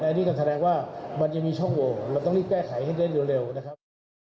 อันนี้ก็แสดงว่ามันจะมีช่องโหวเราต้องรีบแก้ไขให้ได้เร็วนะครับ